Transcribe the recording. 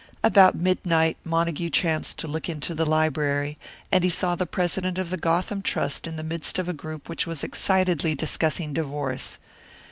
About midnight Montague chanced to look into the library, and he saw the president of the Gotham Trust in the midst of a group which was excitedly discussing divorce.